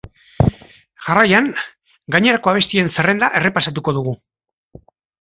Jarraian, gainerako abestien zerrenda errepasatuko dugu.